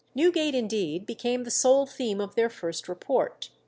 Newgate indeed became the sole theme of their first report.